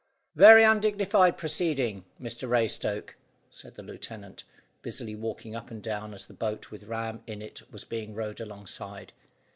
"Very undignified proceeding, Mr Raystoke," said the lieutenant, busily walking up and down as the boat with Ram in it was being rowed alongside.